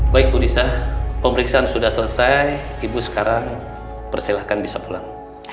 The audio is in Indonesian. baik bu nisa pemeriksaan sudah selesai ibu sekarang persilahkan bisa pulang